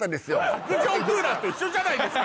卓上クーラーと一緒じゃないですか